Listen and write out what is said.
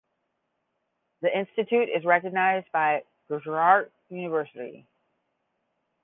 The institute is recognized by Gujarat University.